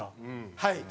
はい。